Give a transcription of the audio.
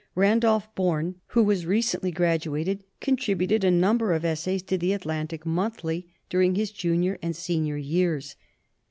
Randolph Bourne, who was recently graduated, contributed a number of essays to the Atlantic Monthly dur ing his junior and senior years.